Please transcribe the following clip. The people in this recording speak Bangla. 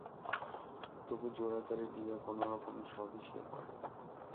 তবু জোড়াতালি দিয়া কোনোরকমে সবই সে করে।